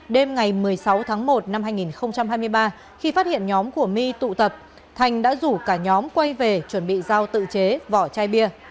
đêm ngày một mươi sáu tháng một năm hai nghìn hai mươi ba khi phát hiện nhóm của my tụ tập thành đã rủ cả nhóm quay về chuẩn bị giao tự chế vỏ chai bia